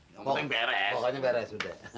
yang penting beres